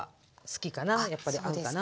やっぱり合うかな。